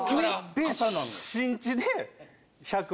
で新地で。